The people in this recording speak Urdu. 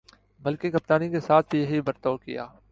بلکہ کپتانی کے ساتھ بھی یہی برتاؤ کیا۔